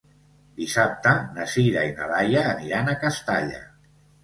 Dissabte na Sira i na Laia aniran a Castalla.